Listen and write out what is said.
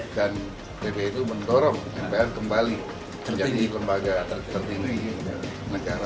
dan pb itu mendorong mpr kembali menjadi lembaga tertinggi negara